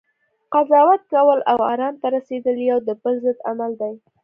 قضاوت کول، او ارام ته رسیدل یو د بل ضد عمل دی